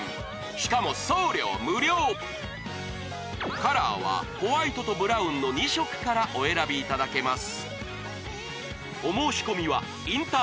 しかも送料無料カラーはホワイトとブラウンの２色からお選びいただけます